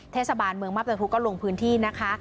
เทศบาลเมืองมาประพุกก็ลงพื้นที่นะคะ